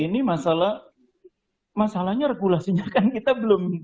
ini masalah masalahnya regulasinya kan kita belum